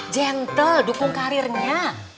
gentle dukung karirnya